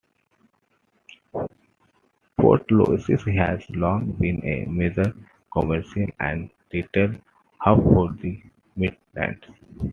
Portlaoise has long been a major commercial and retail hub for the Midlands.